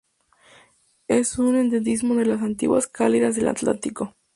Es un endemismo de las aguas cálidas del Atlántico.